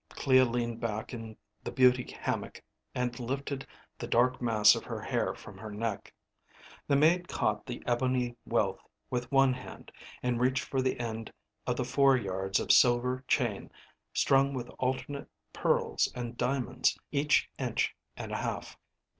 Clea leaned back in the beauty hammock and lifted the dark mass of her hair from her neck. The maid caught the ebony wealth with one hand and reached for the end of the four yards of silver chain strung with alternate pearls and diamonds each inch and a half.